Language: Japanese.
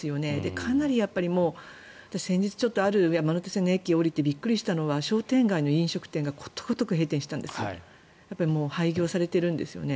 かなり、先日ちょっとある山手線の駅を降りてびっくりしたのが商店街の飲食店がことごとく閉店していたんですね。